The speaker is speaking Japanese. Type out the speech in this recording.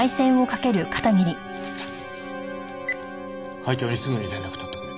会長にすぐに連絡を取ってくれ。